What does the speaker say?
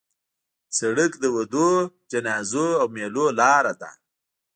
سړک د ودونو، جنازو او میلو لاره ده.